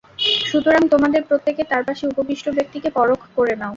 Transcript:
সুতরাং তোমাদের প্রত্যেকে তার পাশে উপবিষ্ট ব্যক্তিকে পরখ করে নাও।